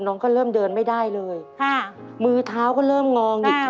น้องก็เริ่มเดินไม่ได้เลยค่ะมือเท้าก็เริ่มงองอีก